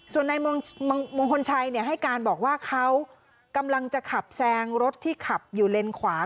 ส่วนในมงคลชัยให้การบอกว่าเขากำลังจะขับแซงรถที่ขับอยู่เลนขวา